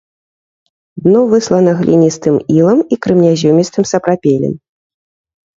Дно выслана гліністым ілам і крэменязёмістым сапрапелем.